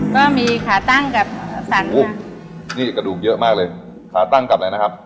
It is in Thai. ก็มีขาตั้งกับสารภูมินี่กระดูกเยอะมากเลยขาตั้งกับอะไรนะครับ